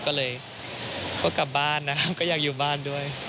ก็เลยก็กลับบ้านนะครับก็อยากอยู่บ้านด้วย